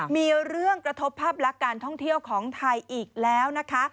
มีเรื่องกระทบภาพลักษณ์การท่องเที่ยวของไทยอีกแล้วนะคะ